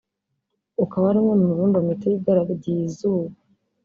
ukaba ari umwe mu mibumbe mito igaragiye izuba